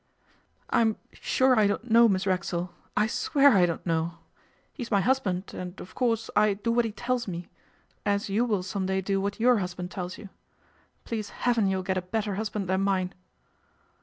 'I'm sure I don't know, Miss Racksole. I swear I don't know. He's my husband, and, of course, I do what he tells me, as you will some day do what your husband tells you. Please heaven you'll get a better husband than mine!